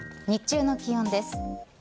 日中の気温です。